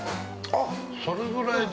◆あっ、それぐらいで？